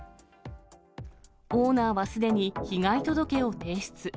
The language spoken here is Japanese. オーナーはすでに被害届を提出。